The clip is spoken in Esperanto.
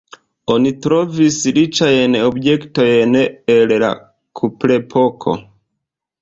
Oni trovis riĉajn objektojn el la kuprepoko.